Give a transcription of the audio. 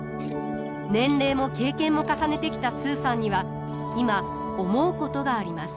年齢も経験も重ねてきたスーさんには今思うことがあります。